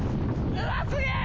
うわ、すげえ！